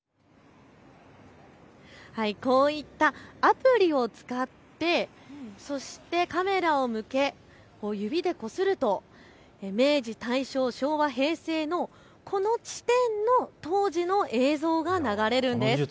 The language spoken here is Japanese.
こういったアプリを使ってそしてカメラを向け、指でこすると、明治、大正、昭和、平成のこの地点の当時の映像が流れるんです。